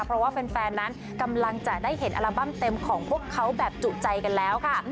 เพราะว่าแฟนนั้นกำลังจะได้เห็นอัลบั้มเต็มของพวกเขาแบบจุใจกันแล้วค่ะ